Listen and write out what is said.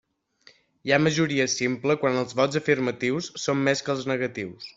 Hi ha majoria simple quan els vots afirmatius són més que els negatius.